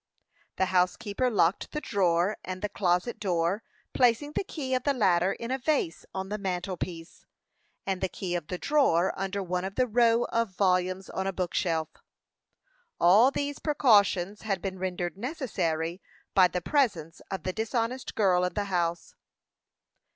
The housekeeper locked the drawer and the closet door, placing the key of the latter in a vase on the mantel piece, and the key of the drawer under one of a row of volumes on a book shelf. All these precautions had been rendered necessary by the presence of the dishonest girl in the house.